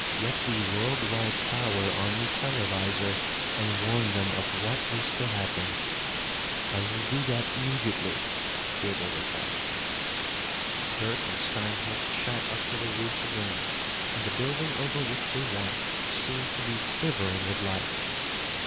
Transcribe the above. "Get the Worldwide Tower on the televisor and warn them of what is to happen." "I will do that immediately," Gaeble replied. Dirk and Steinholt shot up to the roof again and the building over which they walked seemed to be quivering with life.